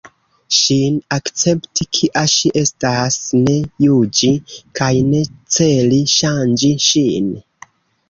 Ŝin akcepti, kia ŝi estas, ne juĝi kaj ne celi ŝanĝi ŝin.